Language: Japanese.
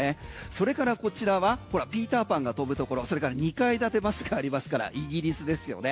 それからこちらはピーター・パンが飛ぶところそれから２階建てバスがありますからイギリスですよね。